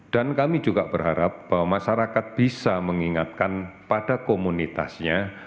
dan kami juga berharap bahwa masyarakat bisa mengingatkan pada komunitasnya